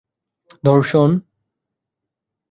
দর্শন